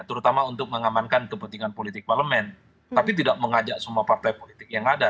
terutama untuk mengamankan kepentingan politik parlemen tapi tidak mengajak semua partai politik yang ada